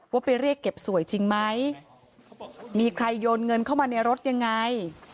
ว่าไปเรียกเก็บสวยจริงไหมมีใครโยนเงินเข้ามาในรถยังไง